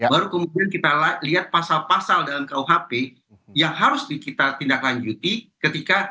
baru kemudian kita lihat pasal pasal dalam kuhp yang harus kita tindak lanjuti ketika